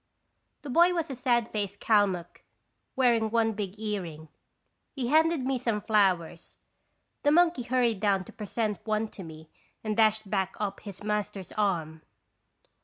The boy was a sad faced Kalmuck, wearing one big earring. He handed me some flowers. The monkey hurried down to present one to me and dashed back up his master's arm.